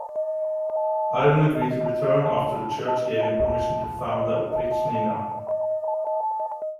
Ivan agreed to return after the church gave him permission to found the Oprichnina.